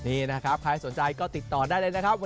นี่นะครับใครสนใจก็ติดต่อได้เลยนะครับ